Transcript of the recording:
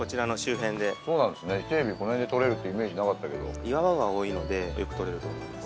この辺でとれるってイメージなかったけど岩場が多いのでよくとれると思います